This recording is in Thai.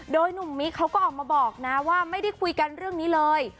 โดยหนุ่มมิ๊กเขาก็ออกมาบอกนะว่าไม่ได้คุยกันเรื่องนี้เลย